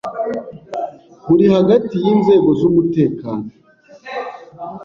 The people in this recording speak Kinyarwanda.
buri hagati y’inzego z’umutekano